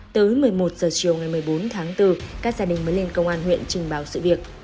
tới một mươi một h chiều ngày một mươi bốn tháng bốn các gia đình mới lên công an huyện trình báo sự việc